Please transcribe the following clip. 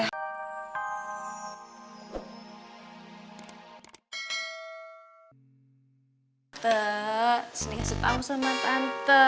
tante sini kasih tau sama tante